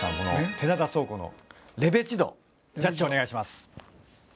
寺田倉庫のレベチ度ジャッジお願いします。